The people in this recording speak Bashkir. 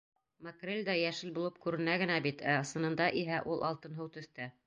Макрель дә йәшел булып күренә генә бит, ә ысынында иһә ул алтынһыу төҫтә.